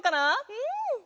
うん！